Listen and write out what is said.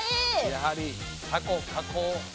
やはりタコ加工